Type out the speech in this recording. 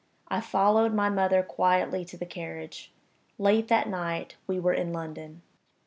I followed my mother quietly to the carriage. Late that night we were in London.